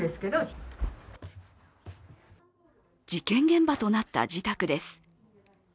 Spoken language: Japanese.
事件現場となった自宅です。